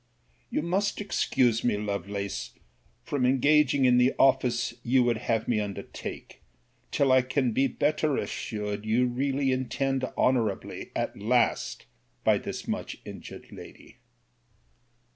You must excuse me, Lovelace, from engaging in the office you would have me undertake, till I can be better assured you really intend honourably at last by this much injured lady.